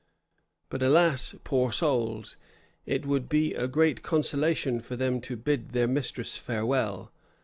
But alas! poor souls! it would be a great consolation to them to bid their mistress farewell.